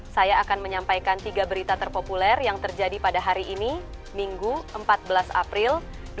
saya akan menyampaikan tiga berita terpopuler yang terjadi pada hari ini minggu empat belas april dua ribu dua puluh